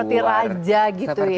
seperti raja gitu ya